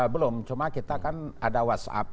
belum cuma kita kan ada whatsapp